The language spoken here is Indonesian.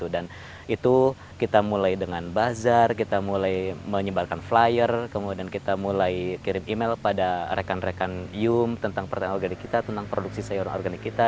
dan itu kita mulai dengan bazar kita mulai menyebarkan flyer kemudian kita mulai kirim email pada rekan rekan yum tentang pertanian organik kita tentang produksi sayuran organik kita